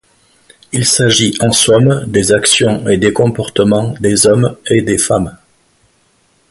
Il s'agit en somme des actions et des comportements des hommes et des femmes.